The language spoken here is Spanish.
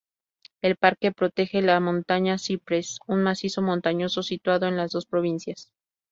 El parque protege la montañas cypress, un macizo montañoso situado en las dos provincias.